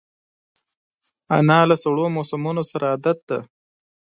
انا له سړو موسمونو سره عادت ده